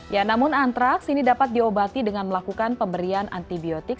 ya namun antraks ini dapat diobati dengan melakukan pemberian antibiotik